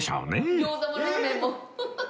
餃子もラーメンも。